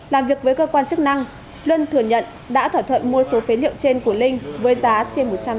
làm việc với cơ quan chức năng luân thừa nhận đã thỏa thuận mua số phế liệu trên của linh với giá trên một trăm năm mươi triệu đồng